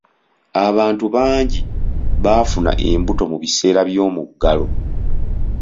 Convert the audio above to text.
Abantu bangi baafuna embuto mu biseera by'omuggalo.